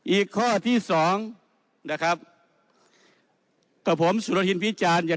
อีกข้อที่สองนะครับกับผมสุโรธิณพิชาที่เอง